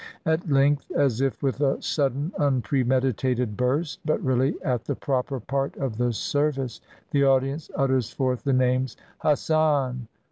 At length, as if with a sudden impremeditated burst, but really at the proper part of the service, the audience utters forth the names "Hassan!"